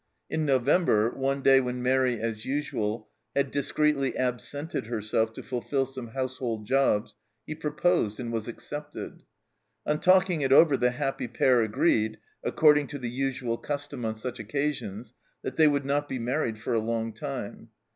In November, one day when Mairi as usual had discreetly absented herself to fulfil some household jobs, he proposed and was accepted ! On talking it over the happy pair agreed (according to the usual custom on such occasions) that they would not be married for a long time.